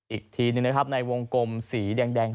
อีกทีหนึ่งนะครับในวงกลมสีแดง